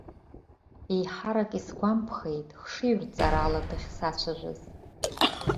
Еиҳарак исгәамԥхеит хшыҩрҵарала дахьсацәажәаз.